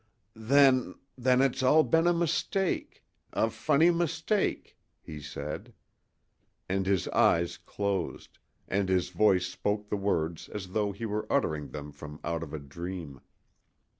"Then then it's all been a mistake a funny mistake," he said; and his eyes closed, and his voice spoke the words as though he were uttering them from out of a dream.